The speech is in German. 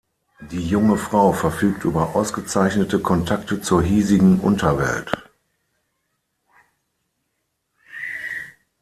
Die junge Frau verfügt über ausgezeichnete Kontakte zur hiesigen Unterwelt.